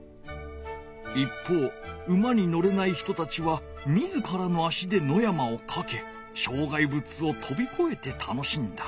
一方馬にのれない人たちは自らの足で野山をかけ障害物をとびこえて楽しんだ。